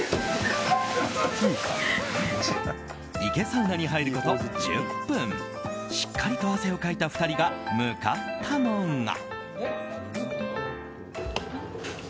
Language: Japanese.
ＩＫＥサウナに入ること１０分しっかりと汗をかいた２人が向かったのが。